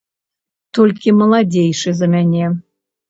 Толькі маладзейшы за мяне.